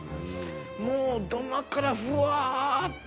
もう土間からふわっと。